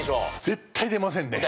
絶対出ませんね。